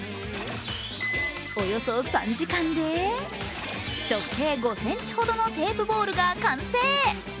およそ３時間で直径５ｃｍほどのテープボールが完成。